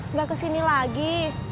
nggak kesini lagi